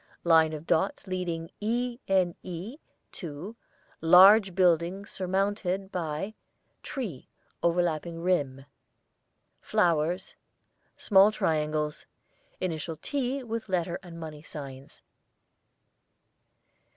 Line of dots leading E.N.E. to Large building surmounted by Tree, overlapping rim. Flowers. Small triangles. Initial 'T' with letter and money signs.